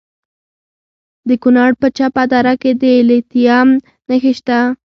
د کونړ په چپه دره کې د لیتیم نښې شته.